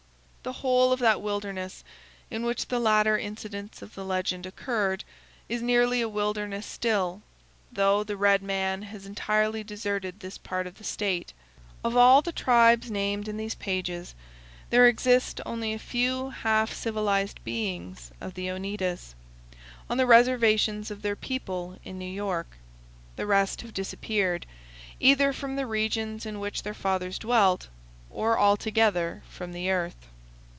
The whole of that wilderness, in which the latter incidents of the legend occurred, is nearly a wilderness still, though the red man has entirely deserted this part of the state. Of all the tribes named in these pages, there exist only a few half civilized beings of the Oneidas, on the reservations of their people in New York. The rest have disappeared, either from the regions in which their fathers dwelt, or altogether from the earth.